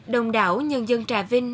đồng đảo nhân dân trà vinh